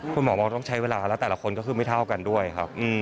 คุณหมอมองต้องใช้เวลาแล้วแต่ละคนก็คือไม่เท่ากันด้วยครับ